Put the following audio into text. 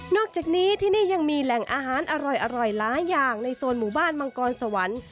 อกจากนี้ที่นี่ยังมีแหล่งอาหารอร่อยหลายอย่างในโซนหมู่บ้านมังกรสวรรค์